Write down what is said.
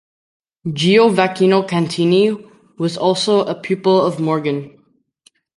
Giovacchino Cantini was also a pupil of Morghen.